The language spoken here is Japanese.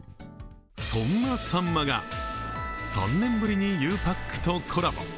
そんなさんまが３年ぶりにゆうパックとコラボ。